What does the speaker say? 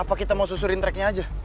apa kita mau susurin tracknya aja